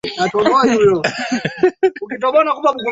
tusi wale wakubwa wengine wanaosimamia mpira na kadhalika